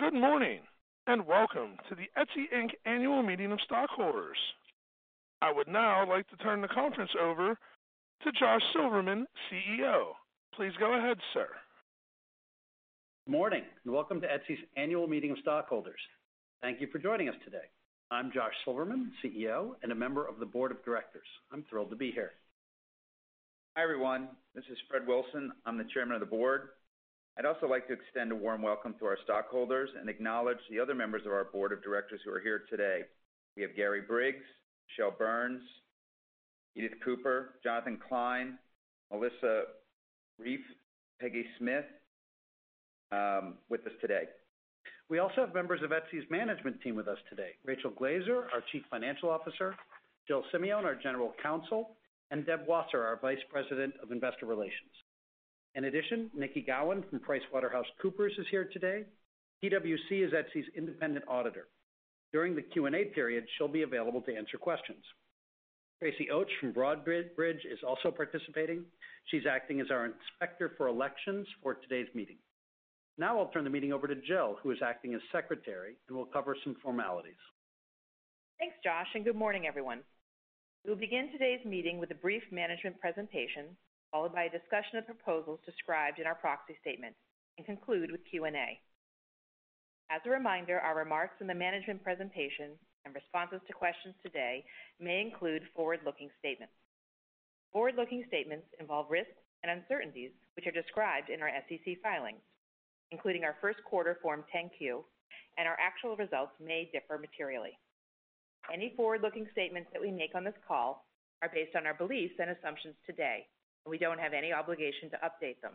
Good morning, welcome to the Etsy, Inc. Annual Meeting of Stockholders. I would now like to turn the conference over to Josh Silverman, CEO. Please go ahead, sir. Morning, welcome to Etsy's Annual Meeting of Stockholders. Thank you for joining us today. I'm Josh Silverman, CEO, and a member of the Board of Directors. I'm thrilled to be here. Hi, everyone. This is Fred Wilson. I'm the Chairman of the Board. I'd also like to extend a warm welcome to our stockholders and acknowledge the other members of our Board of Directors who are here today. We have Gary Briggs, Michele Burns, Edith Cooper, Jonathan Klein, Melissa Reiff, Peggy Smyth with us today. We also have members of Etsy's management team with us today. Rachel Glaser, our Chief Financial Officer, Jill Simeone, our General Counsel, and Deb Wasser, our Vice President of Investor Relations. In addition, Nikki Gowan from PricewaterhouseCoopers is here today. PwC is Etsy's independent auditor. During the Q&A period, she'll be available to answer questions. Tracy Oech from Broadridge is also participating. She's acting as our inspector for elections for today's meeting. I'll turn the meeting over to Jill, who is acting as secretary, and we'll cover some formalities. Thanks, Josh. Good morning, everyone. We'll begin today's meeting with a brief management presentation, followed by a discussion of proposals described in our proxy statement, and conclude with Q&A. As a reminder, our remarks in the management presentation and responses to questions today may include forward-looking statements. Forward-looking statements involve risks and uncertainties, which are described in our SEC filings, including our first quarter Form 10-Q, and our actual results may differ materially. Any forward-looking statements that we make on this call are based on our beliefs and assumptions today, and we don't have any obligation to update them.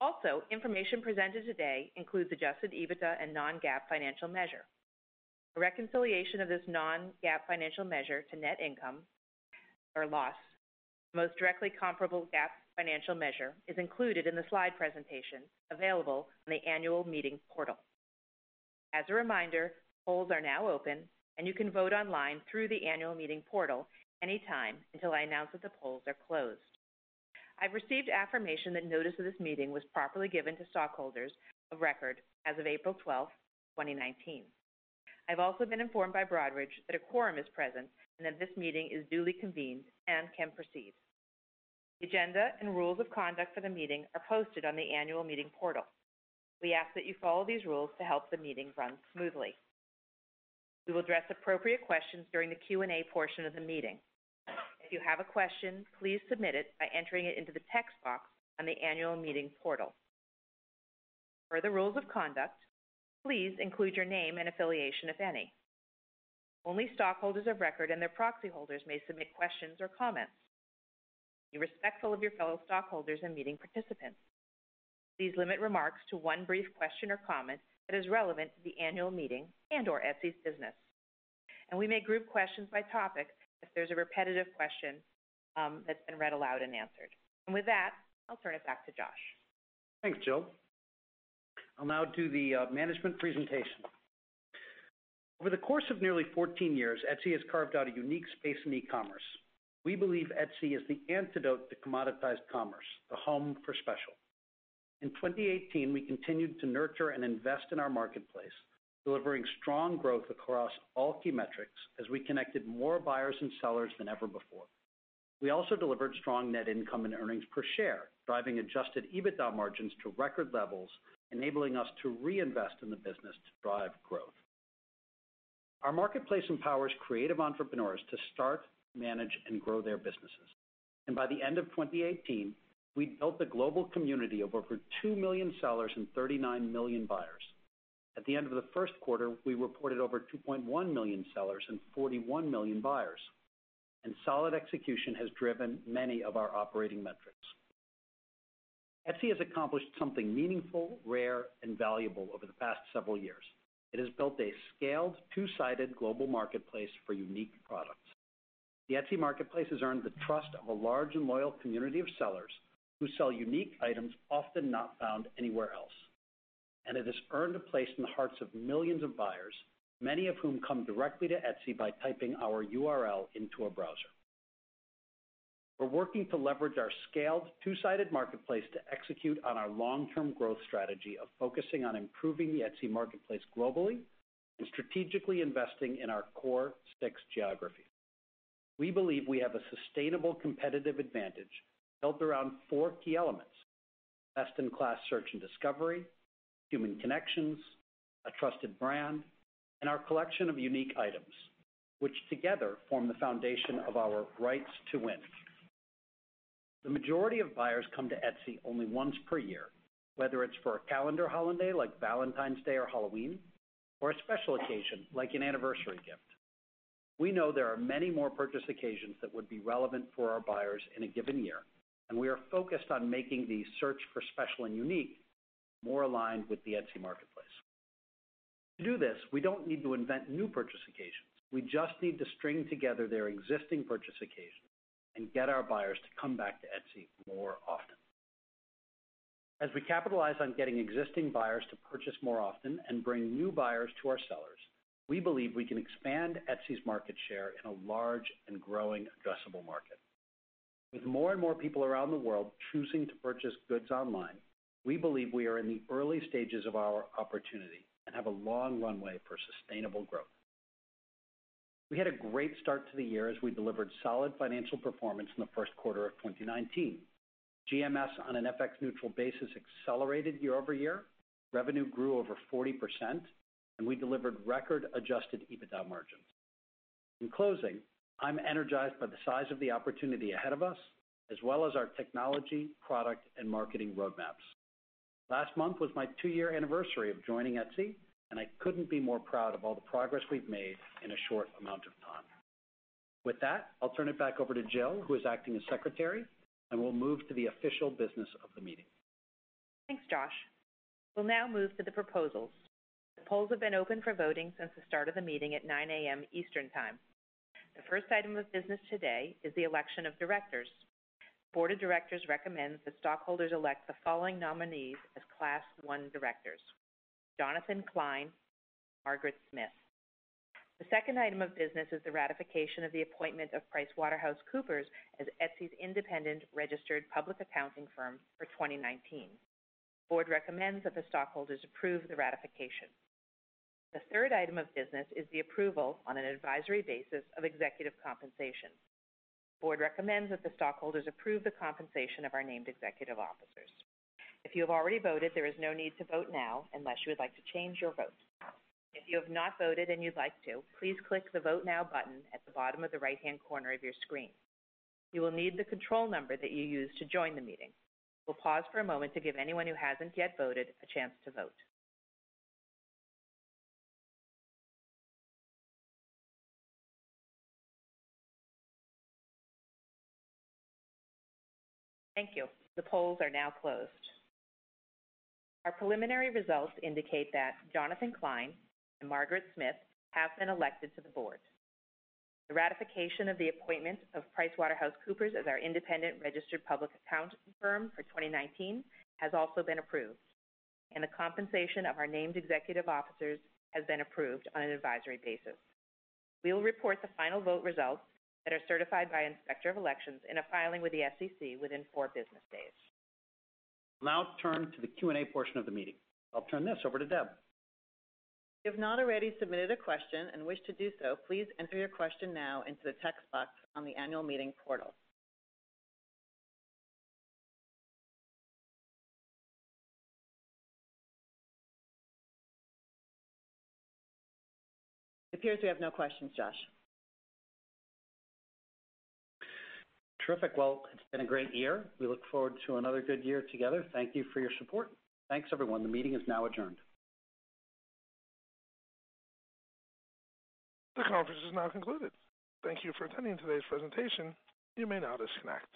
Also, information presented today includes adjusted EBITDA and non-GAAP financial measure. A reconciliation of this non-GAAP financial measure to net income or loss, the most directly comparable GAAP financial measure, is included in the slide presentation available on the annual meeting portal. As a reminder, polls are now open. You can vote online through the annual meeting portal anytime until I announce that the polls are closed. I've received affirmation that notice of this meeting was properly given to stockholders of record as of April 12th, 2019. I've also been informed by Broadridge that a quorum is present and that this meeting is duly convened and can proceed. The agenda and rules of conduct for the meeting are posted on the annual meeting portal. We ask that you follow these rules to help the meeting run smoothly. We will address appropriate questions during the Q&A portion of the meeting. If you have a question, please submit it by entering it into the text box on the annual meeting portal. Per the rules of conduct, please include your name and affiliation, if any. Only stockholders of record and their proxy holders may submit questions or comments. Be respectful of your fellow stockholders and meeting participants. Please limit remarks to one brief question or comment that is relevant to the annual meeting and/or Etsy's business. We may group questions by topic if there's a repetitive question that's been read aloud and answered. With that, I'll turn it back to Josh. Thanks, Jill. I'll now do the management presentation. Over the course of nearly 14 years, Etsy has carved out a unique space in e-commerce. We believe Etsy is the antidote to commoditized commerce, the home for special. In 2018, we continued to nurture and invest in our marketplace, delivering strong growth across all key metrics as we connected more buyers and sellers than ever before. We also delivered strong net income and earnings per share, driving adjusted EBITDA margins to record levels, enabling us to reinvest in the business to drive growth. Our marketplace empowers creative entrepreneurs to start, manage, and grow their businesses. By the end of 2018, we'd built a global community of over 2 million sellers and 39 million buyers. At the end of the first quarter, we reported over 2.1 million sellers and 41 million buyers. Solid execution has driven many of our operating metrics. Etsy has accomplished something meaningful, rare, and valuable over the past several years. It has built a scaled, two-sided global marketplace for unique products. The Etsy marketplace has earned the trust of a large and loyal community of sellers who sell unique items often not found anywhere else. It has earned a place in the hearts of millions of buyers, many of whom come directly to Etsy by typing our URL into a browser. We're working to leverage our scaled, two-sided marketplace to execute on our long-term growth strategy of focusing on improving the Etsy marketplace globally and strategically investing in our core six geographies. We believe we have a sustainable competitive advantage built around four key elements: best-in-class search and discovery, human connections, a trusted brand, and our collection of unique items, which together form the foundation of our rights to win. The majority of buyers come to Etsy only once per year, whether it's for a calendar holiday like Valentine's Day or Halloween, or a special occasion like an anniversary gift. We know there are many more purchase occasions that would be relevant for our buyers in a given year. We are focused on making the search for special and unique more aligned with the Etsy marketplace. To do this, we don't need to invent new purchase occasions. We just need to string together their existing purchase occasions and get our buyers to come back to Etsy more often. As we capitalize on getting existing buyers to purchase more often and bring new buyers to our sellers, we believe we can expand Etsy's market share in a large and growing addressable market. With more and more people around the world choosing to purchase goods online, we believe we are in the early stages of our opportunity and have a long runway for sustainable growth. We had a great start to the year as we delivered solid financial performance in the first quarter of 2019. GMS on an FX neutral basis accelerated year-over-year, revenue grew over 40%, we delivered record adjusted EBITDA margins. In closing, I'm energized by the size of the opportunity ahead of us, as well as our technology, product, and marketing roadmaps. Last month was my two-year anniversary of joining Etsy. I couldn't be more proud of all the progress we've made in a short amount of time. With that, I'll turn it back over to Jill, who is acting as secretary. We'll move to the official business of the meeting. Thanks, Josh. We'll now move to the proposals. The polls have been open for voting since the start of the meeting at 9:00 A.M. Eastern Time. The first item of business today is the election of directors. Board of directors recommends that stockholders elect the following nominees as Class 1 directors, Jonathan Klein, Margaret Smyth. The second item of business is the ratification of the appointment of PricewaterhouseCoopers as Etsy's independent registered public accounting firm for 2019. Board recommends that the stockholders approve the ratification. The third item of business is the approval on an advisory basis of executive compensation. Board recommends that the stockholders approve the compensation of our named executive officers. If you have already voted, there is no need to vote now unless you would like to change your vote. If you have not voted and you'd like to, please click the Vote Now button at the bottom of the right-hand corner of your screen. You will need the control number that you used to join the meeting. We'll pause for a moment to give anyone who hasn't yet voted a chance to vote. Thank you. The polls are now closed. Our preliminary results indicate that Jonathan Klein and Margaret Smyth have been elected to the board. The ratification of the appointment of PricewaterhouseCoopers as our independent registered public accounting firm for 2019 has also been approved, and the compensation of our named executive officers has been approved on an advisory basis. We will report the final vote results that are certified by Inspector of Elections in a filing with the SEC within four business days. We'll now turn to the Q&A portion of the meeting. I'll turn this over to Deb. If you have not already submitted a question and wish to do so, please enter your question now into the text box on the annual meeting portal. It appears we have no questions, Josh. Terrific. Well, it's been a great year. We look forward to another good year together. Thank you for your support. Thanks, everyone. The meeting is now adjourned. The conference is now concluded. Thank you for attending today's presentation. You may now disconnect.